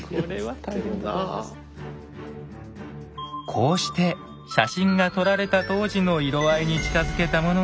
こうして写真が撮られた当時の色合いに近づけたものがこちら。